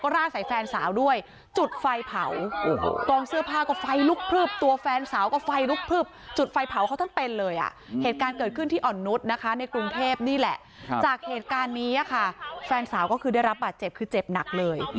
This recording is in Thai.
ร่านใส่เชื้อผ้าแล้วก็ร่านใส่แฟนสาวด้วย